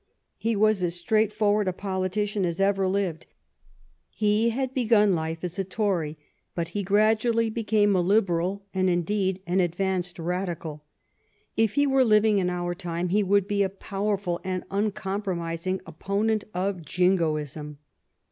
He was as straightforward a politician as ever lived. He had begun life as a Tory, but he gradually became a Liberal, and, indeed, an advanced Radical. If he were living in our time, he would be a powerful and uncompromising op ponent of Jingoism.